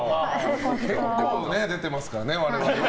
結構出てますからね、我々も。